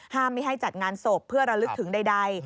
ไม่ให้จัดงานศพเพื่อระลึกถึงใด